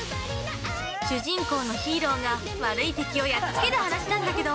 主人公のヒーローが悪い敵をやっつける話なんだけど。